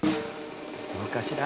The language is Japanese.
どうかしら？